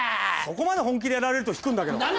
そこまで本気でやられると引くんだけど。